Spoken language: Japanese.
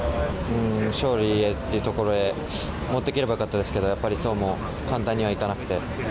勝利へというところへ持っていければ良かったですけどやっぱりそうも簡単にはいかなくて。